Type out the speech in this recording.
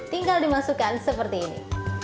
tinggal dimasukkan seperti ini